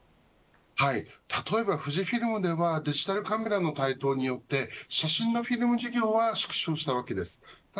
はい、例えば富士フイルムでもデジタルカメラの台頭によって写真のフィルム事業は縮小されました。